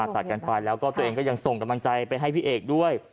ตัดกันไปแล้วก็ตัวเองก็ยังส่งกำลังใจไปให้พี่เอกด้วย